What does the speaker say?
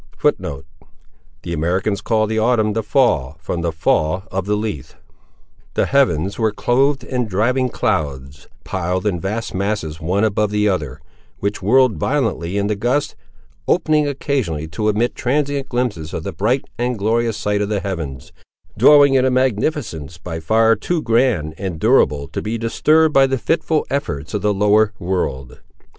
The heavens were clothed in driving clouds, piled in vast masses one above the other, which whirled violently in the gusts; opening, occasionally, to admit transient glimpses of the bright and glorious sight of the heavens, dwelling in a magnificence by far too grand and durable to be disturbed by the fitful efforts of the lower world.